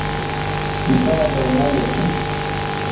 کتاب رے نہ لِک